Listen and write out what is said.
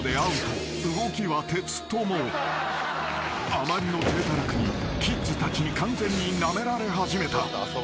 ［あまりの体たらくにキッズたちに完全になめられ始めた］